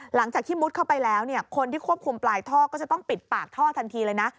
หลังจากที่มุดเข้าไปแล้วเนี่ยคนที่ควบคุมปลายท่อก็จะต้องปิดปากท่อทันทีเลยนะ